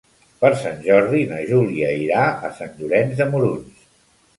Per Sant Jordi na Júlia irà a Sant Llorenç de Morunys.